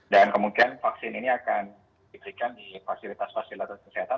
dan kemungkinan vaksin ini akan diberikan di fasilitas fasilitas kesehatan